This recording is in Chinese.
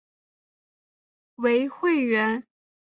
为会员。